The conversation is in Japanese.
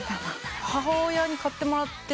母親に買ってもらって。